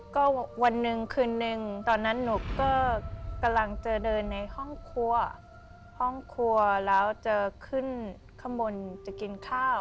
ก็วันหนึ่งคืนนึงตอนนั้นหนูก็กำลังจะเดินในห้องครัวห้องครัวแล้วจะขึ้นข้างบนจะกินข้าว